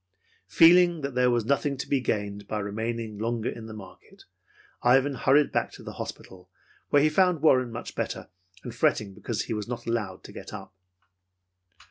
Feeling that there was nothing to be gained by remaining longer in the market, Ivan hurried back to the hospital, where he found Warren much better, and fretting because he was not allowed to get up.